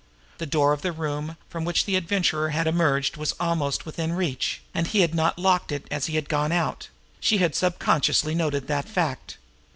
The door of the room from which the Adventurer had emerged was almost within reach; and he had not locked it as he had gone out she had subconsciously noted that fact.